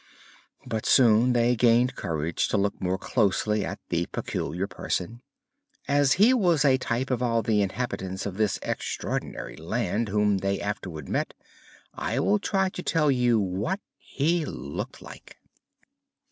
But soon they gained courage to look more closely at the Peculiar Person. As he was a type of all the inhabitants of this extraordinary land whom they afterward met, I will try to tell you what he looked like.